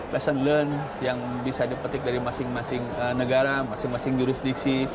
lesson learned yang bisa dipetik dari masing masing negara masing masing jurisdiksi